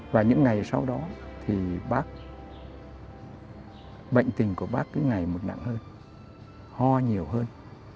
và những ngày sau đó bệnh tình của bác cứ ngày một nặng hơn ho nhiều hơn